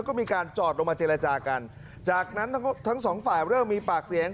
ก็มีการจอดลงมาเจรจากันจากนั้นทั้งสองฝ่ายเริ่มมีปากเสียง